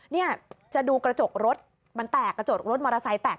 เนี่ยจะดูกระจกรถมันแตกกระจกรถมอเตอร์ไซค์แตก